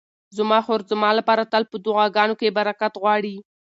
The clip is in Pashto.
زما خور زما لپاره تل په دعاګانو کې برکت غواړي.